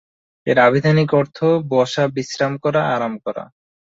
এর আভিধানিক অর্থ বসা, বিশ্রাম করা, আরাম করা।